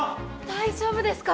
大丈夫ですか！？